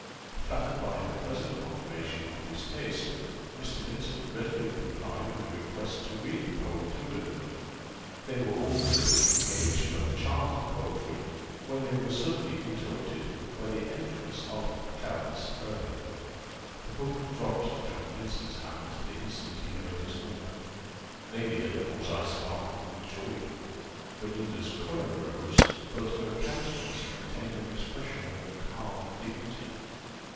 Flattered by her present confirmation of his taste, Mr. Vincent readily complied with a request to read the poem to Belinda. They were all deeply engaged by the charms of poetry, when they were suddenly interrupted by the entrance of Clarence Hervey! The book dropped from Vincent's hand the instant that he heard his name. Lady Delacour's eyes sparkled with joy. Belinda's colour rose, but her countenance maintained an expression of calm dignity.